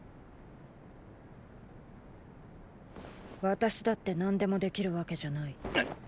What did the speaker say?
私だって何でもできるわけじゃない。っ！